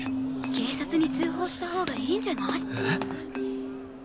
警察に通報したほうがいいんじゃない？えっ？